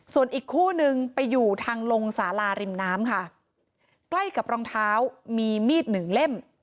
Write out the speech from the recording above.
ส่วนอีกคู่นึงไปอยู่ทางลงสาลาริมน้ำค่ะใกล้กับรองเท้ามีมีดหนึ่งเล่ม